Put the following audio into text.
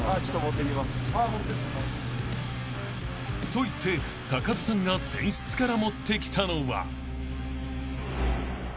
［と言って須さんが船室から持ってきたのは］